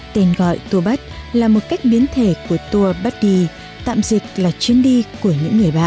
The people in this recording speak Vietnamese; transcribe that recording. tên gọi tourbud là một cách biến thể của tourbuddy tạm dịch là chuyến đi của những người bạn